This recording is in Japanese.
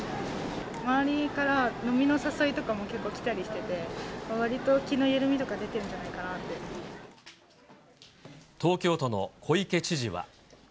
周りから飲みの誘いとかも結構来たりしてて、わりと気の緩みとか東京都の小池知事は。